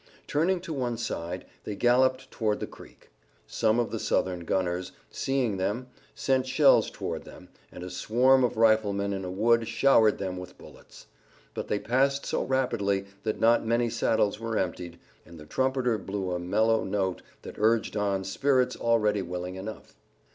Turning to one side they galloped toward the creek. Some of the Southern gunners, seeing them, sent shells toward them, and a swarm of riflemen in a wood showered them with bullets. But they passed so rapidly that not many saddles were emptied, and the trumpeter blew a mellow note that urged on spirits already willing enough.